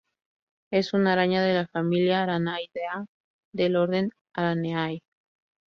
Es una araña de la familia Araneidae del orden Araneae.